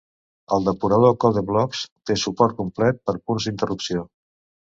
El depurador Code::Blocks té suport complet per punts d'interrupció.